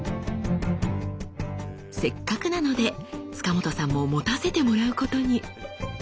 せっかくなので塚本さんも持たせてもらうことに。